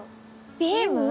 「ビーム」？